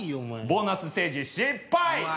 ボーナスステージ失敗！わ。